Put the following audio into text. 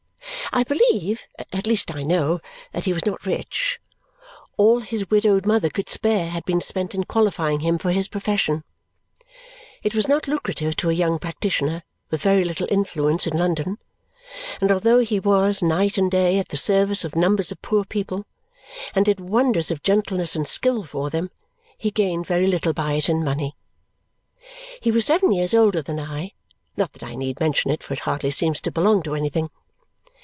I believe at least I know that he was not rich. All his widowed mother could spare had been spent in qualifying him for his profession. It was not lucrative to a young practitioner, with very little influence in London; and although he was, night and day, at the service of numbers of poor people and did wonders of gentleness and skill for them, he gained very little by it in money. He was seven years older than I. Not that I need mention it, for it hardly seems to belong to anything.